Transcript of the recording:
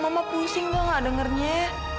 mama pusing kok gak dengernya